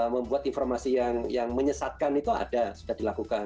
membuat informasi yang menyesatkan itu ada sudah dilakukan